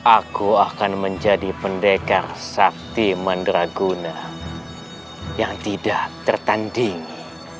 aku akan menjadi pendekar sakti manderaguna yang tidak tertandingi